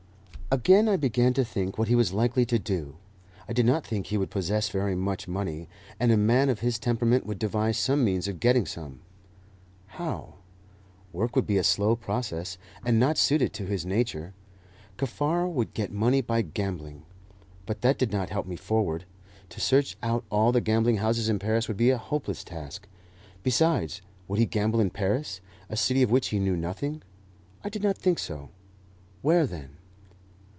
Again I began to think what he was likely to do. I did not think he would possess very much money, and a man of his temperament would devise some means of getting some. How? Work would be a slow process, and not suited to his nature. Kaffar would get money by gambling. But that did not help me forward. To search out all the gambling houses in Paris would be a hopeless task; besides, would he gamble in Paris, a city of which he knew nothing? I did not think so. Where, then?